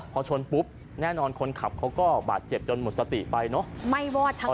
พอชนปุ๊บแน่นอนคนขับเขาก็บาดเจ็บจนหมดสติไปเนอะ